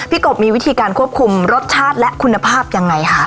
กบมีวิธีการควบคุมรสชาติและคุณภาพยังไงคะ